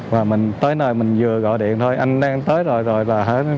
và mình tới nơi mình vừa gọi điện thôi anh đang tới rồi rồi là hết